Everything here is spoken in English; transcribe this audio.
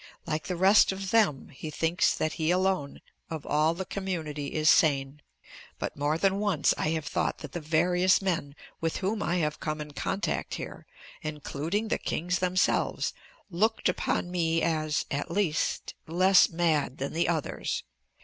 Like the rest of them he thinks that he alone of all the community is sane, but more than once I have thought that the various men with whom I have come in contact here, including the kings themselves, looked upon me as, at least, less mad than the others.